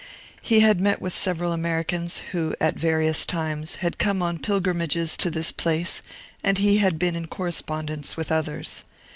He had met with several Americans, who, at various times, had come on pilgrimages to this place, and he had been in correspondence with others.